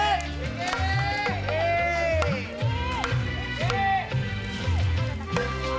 mari aja sendiri